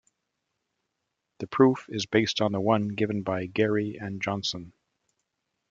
This proof is based on the one given by Garey and Johnson.